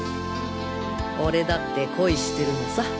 俺だって恋してるのさ